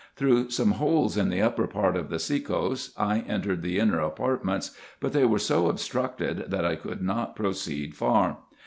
Through some holes in the upper part of the sekos I entered the inner apartments ; but they were so obstructed, that I could not proceed far.